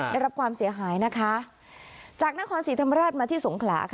ได้รับความเสียหายนะคะจากนครศรีธรรมราชมาที่สงขลาค่ะ